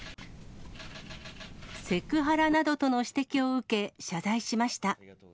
セクハラなどとの指摘を受け、謝罪しました。